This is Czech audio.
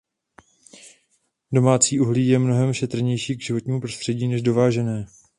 Domácí uhlí je mnohem šetrnější k životnímu prostředí než dovážené.